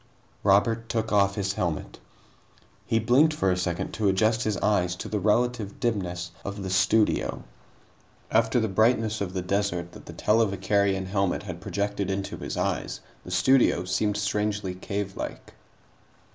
Robert took off his helmet. He blinked for a second to adjust his eyes to the relative dimness of the studio. After the brightness of the desert that the televicarion helmet had projected into his eyes, the studio seemed strangely cavelike.